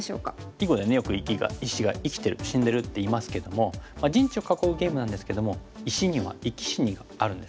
囲碁でねよく石が生きてる死んでるっていいますけども陣地を囲うゲームなんですけども石には生き死にがあるんですね。